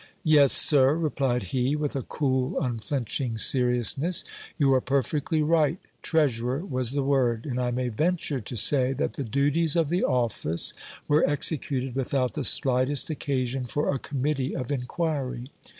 Yes, sir, replied he, with a cool, unflinching seri ousness ; you are perfectly right, treasurer was the word ; and I may venture to say that the duties of the office were executed without the slightest occasion for a committee of inquiry.